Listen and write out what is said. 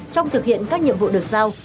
trong thực hiện các nhiệm vụ được giao